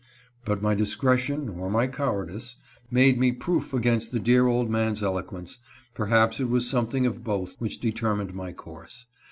But my discretion or my cowardice made me proof against the dear old man's eloquence — perhaps it was something of both which de termined my course.